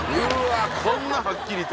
こんなはっきりと。